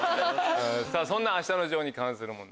そんな『あしたのジョー』に関する問題